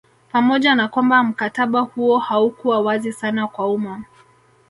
Pamoja na kwamba mkataba huo haukuwa wazi sana kwa umma